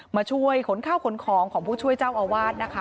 มาช่วยขนข้าวขนของของผู้ช่วยเจ้าอาวาสนะคะ